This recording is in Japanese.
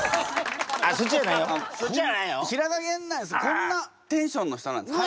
こんなテンションの人なんですね。